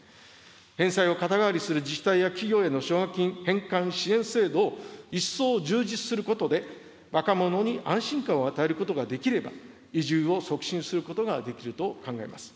返済を肩代わりする自治体や企業への奨学金返還支援制度を一層充実することで、若者に安心感を与えることができれば、移住を促進することができると考えます。